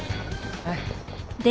はい。